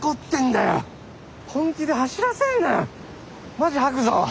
マジ吐くぞ。